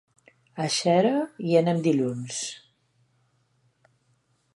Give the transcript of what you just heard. A Xera hi anem dilluns.